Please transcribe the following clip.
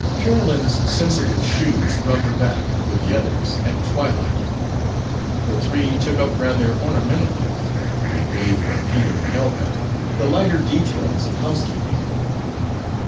Carolyn's sensible shoes brought her back, with the others, at twilight. The three took up rather ornamentally (with aid from Peter and Helga) the lighter details of housekeeping.